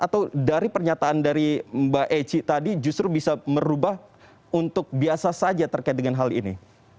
atau dari pernyataan dari mbak eci tadi justru bisa merubah untuk biasa saja terkait dengan hal ini